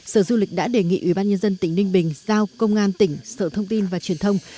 sở du lịch đã đề nghị ubnd tỉnh ninh bình giao công an tỉnh sở thông tin và truyền thông